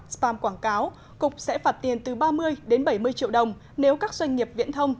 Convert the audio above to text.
spam quảng cáo cục sẽ phạt tiền từ ba mươi đến bảy mươi triệu đồng nếu các doanh nghiệp viễn thông